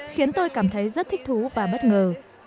khiến tôi cảm thấy rất thích thú và bất ngờ